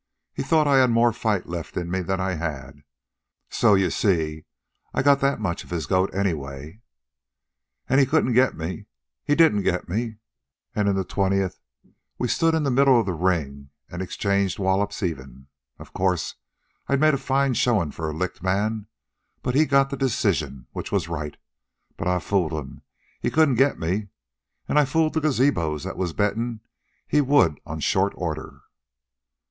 He thought I had more fight left in me than I had. So you see I got that much of his goat anyway. "An' he couldn't get me. He didn't get me. An' in the twentieth we stood in the middle of the ring an' exchanged wallops even. Of course, I'd made a fine showin' for a licked man, but he got the decision, which was right. But I fooled 'm. He couldn't get me. An' I fooled the gazabos that was bettin' he would on short order."